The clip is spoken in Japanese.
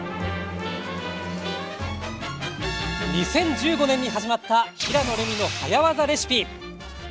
２０１５年に始まった「平野レミの早わざレシピ」。